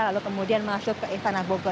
lalu kemudian masuk ke istana bogor